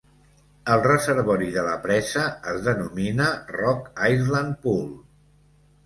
El reservori de la presa es denomina Rock Island Pool.